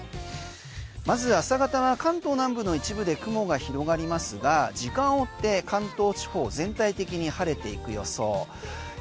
まず朝方は関東南部の一部で雲が広がりますが時間を追って関東地方全体的に晴れていく予想。